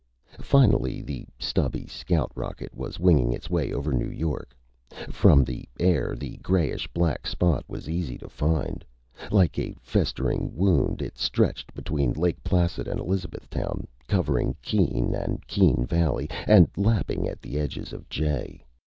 Finally, the stubby scout rocket was winging its way over New York. From the air, the grayish black spot was easy to find. Like a festered wound, it stretched between Lake Placid and Elizabethtown, covering Keene and Keene Valley, and lapping at the edges of Jay.